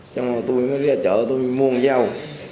xong rồi tôi mới ra chợ tôi mua một dâu